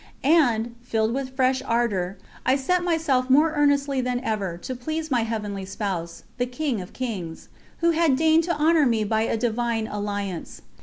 And, filled with fresh ardour, I set myself more earnestly than ever to please my Heavenly Spouse, the King of Kings, Who had deigned to honour me by a divine alliance.